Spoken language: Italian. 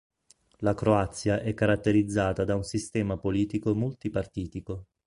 La Croazia è caratterizzata da un sistema politico multipartitico.